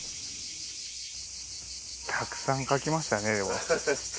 たくさん描きましたねでも。